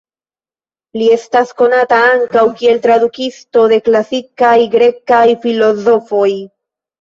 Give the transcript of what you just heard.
Li estas konata ankaŭ kiel tradukisto de klasikaj grekaj filozofoj.